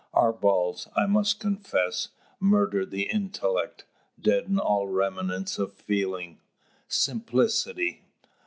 Our balls, I must confess, murder the intellect, deaden all remnants of feeling. Simplicity!